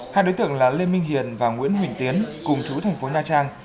hai đối tượng là lê minh hiền và nguyễn huỳnh tiến cùng chú thành phố nha trang